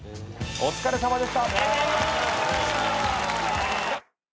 お疲れさまでした。